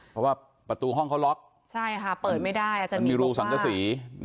เพราะว่าประตูห้องเขาล็อกใช่ค่ะเปิดไม่ได้มันมีรูสังกษี